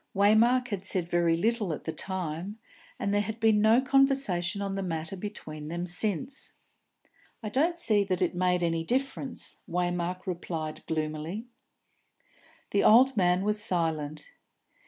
Waymark had said very little at the time, and there had been no conversation on the matter between them since. "I don't see that it made any difference," Waymark replied gloomily. The old man was silent.